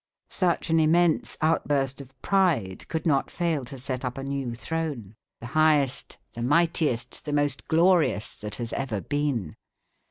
Such an immense outburst of pride could not fail to set up a new throne, the highest, the mightiest, the most glorious that has ever been.